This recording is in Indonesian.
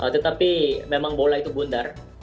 tetapi memang bola itu bundar